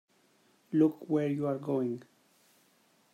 Look where you're going!